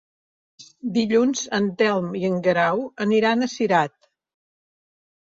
Dilluns en Telm i en Guerau aniran a Cirat.